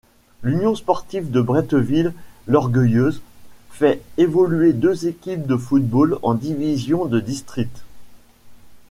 L'Union sportive de Bretteville-l'Orgueilleuse fait évoluer deux équipes de football en divisions de district.